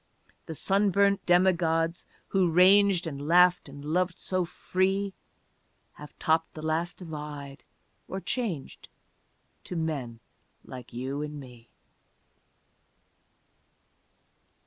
The sunburnt demigods who ranged And laughed and loved so free Have topped the last divide, or changed To men like you and me.